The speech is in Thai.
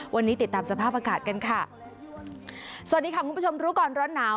วันนี้ติดตามสภาพอากาศกันค่ะสวัสดีค่ะคุณผู้ชมรู้ก่อนร้อนหนาว